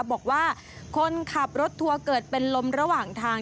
บอกว่าคนขับรถทัวร์เกิดเป็นลมระหว่างทาง